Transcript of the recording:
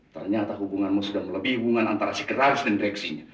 ternyata hubunganmu sudah melebihi hubungan antara si geraris dan reaksinya